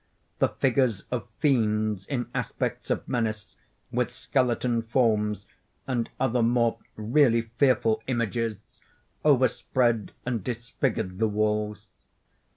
The figures of fiends in aspects of menace, with skeleton forms, and other more really fearful images, overspread and disfigured the walls.